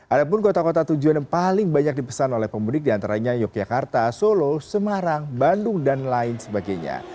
ada pun kota kota tujuan yang paling banyak dipesan oleh pemudik diantaranya yogyakarta solo semarang bandung dan lain sebagainya